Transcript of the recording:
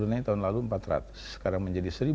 brunei tahun lalu empat ratus sekarang menjadi seribu